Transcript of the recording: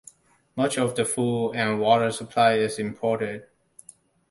Much of the food and water supply is imported.